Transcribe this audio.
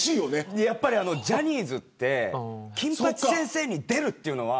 やっぱりジャニーズって金八先生に出るというのが。